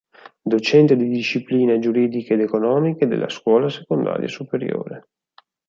Docente di Discipline giuridiche ed economiche nella Scuola secondaria superiore.